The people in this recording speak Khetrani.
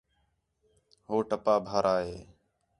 ہُو ٹَپا بھارا ہے